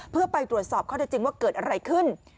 เพื่อไปตรวจสอบข้อได้จริงว่าเกิดอะไรขึ้น